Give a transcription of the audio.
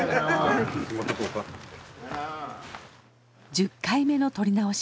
１０回目の撮り直し。